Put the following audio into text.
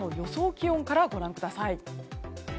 気温からご覧ください。